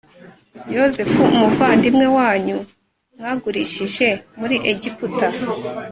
yozefu umuvandimwe wanyu mwagurishije muri egiputa